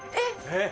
えっ！